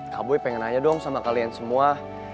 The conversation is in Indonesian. kak boy pengen nanya dong sama kalian semua